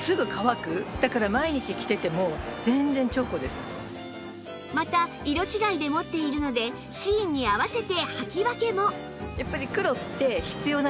さらにまた色違いで持っているのでシーンに合わせてはき分けも